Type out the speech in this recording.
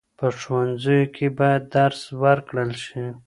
په ښوونځیو کې باید درس ورکړل شي.